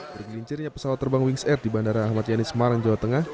bergelincirnya pesawat terbang wings air di bandara ahmad yani semarang jawa tengah